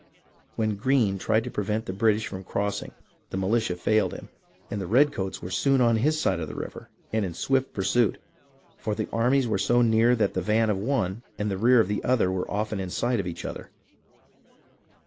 When Greene tried to prevent the British from cross ing, the militia failed him, and the redcoats were soon on his side of the river and in swift pursuit, for the armies were so near that the van of one and the rear of the other were often in sight of each other.